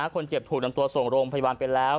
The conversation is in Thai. คนเจ็บถูกนำตัวส่งโรงพยาบาลไปแล้ว